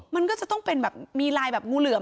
มันก็จะต้องมีลายแบบงูเหลือม